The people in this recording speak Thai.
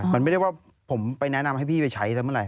มันไม่ได้ว่าผมไปแนะนำให้พี่ไปใช้ซะเมื่อไห